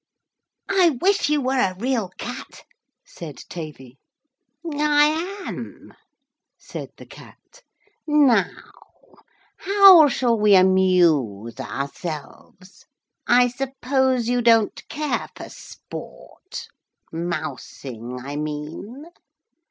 'I wish you were a real cat,' said Tavy. 'I am,' said the Cat. 'Now how shall we amuse ourselves? I suppose you don't care for sport mousing, I mean?'